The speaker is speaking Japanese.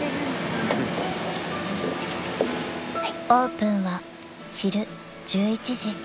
［オープンは昼１１時］